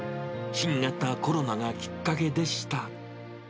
新型コロナがきっかけでした。